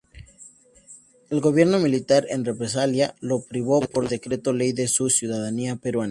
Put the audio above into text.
El gobierno militar, en represalia, lo privó por decreto-ley de su ciudadanía peruana.